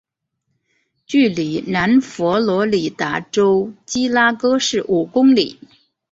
距离南佛罗里达州基拉戈市五公里。